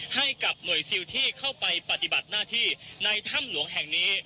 ให้กับหน่วยซิลที่เข้าไปปฏิบัติหน้าที่ในถ้ำหลวงแห่งนี้